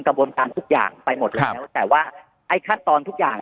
กระบวนการทุกอย่างไปหมดแล้วแต่ว่าไอ้ขั้นตอนทุกอย่าง